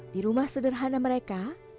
di rumah sederhana mereka